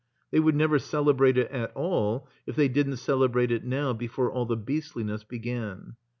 They would never celebrate it at all if they didn't celebrate it now before all the beastliness began.